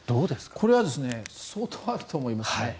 これは相当あると思います。